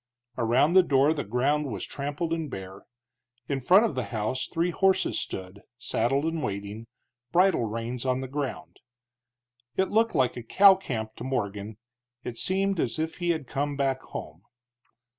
Around the door the ground was trampled and bare; in front of the house three horses stood, saddled and waiting, bridle reins on the ground. It looked like a cow camp to Morgan; it seemed as if he had come back home.